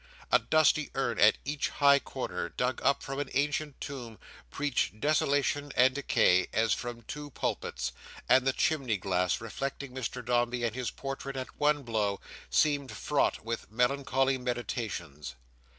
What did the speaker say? A dusty urn at each high corner, dug up from an ancient tomb, preached desolation and decay, as from two pulpits; and the chimney glass, reflecting Mr Dombey and his portrait at one blow, seemed fraught with melancholy meditations.